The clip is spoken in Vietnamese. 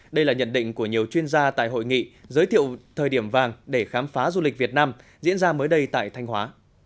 đây là nhận định của nhiều chuyên gia tại hội nghị giới thiệu thời điểm vàng để khám phá du lịch việt nam diễn ra mới đây tại thanh hóa